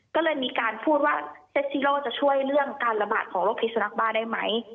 ก็เลยมีการพูดว่าเซ็ตซีโร่จะช่วยเรื่องการระบาดของโรคพิสุนักบ้าได้ไหม